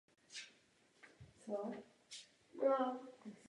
Bagration mu tedy navrhl jednání o příměří.